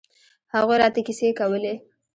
هغوى راته کيسې کولې.